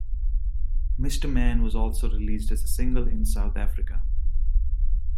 "Mister Man" was also released as a single in South Africa.